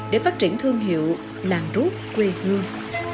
để phát triển thương hiệu làng rút quê hương